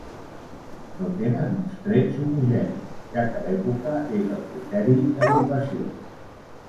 No tenen uns trets homogenis, ja que l'època és el criteri d'agrupació.